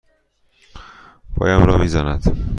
پایم را می زند.